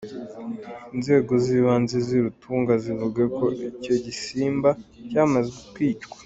Inzego z’ibanze z’i Rutunga zivuga ko icyo gisimba cyamaze kwicwa.